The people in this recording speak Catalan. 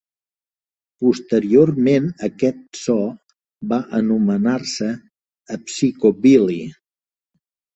Posteriorment aquest so va anomenar-se psicobilly.